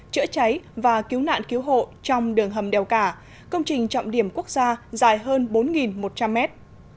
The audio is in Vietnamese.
chữa cháy và cứu nạn cứu hộ trong đường hầm đèo cả công trình trọng điểm quốc gia dài hơn bốn một trăm linh mét